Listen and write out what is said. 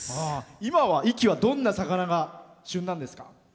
今は壱岐はどんな魚が旬なんですか？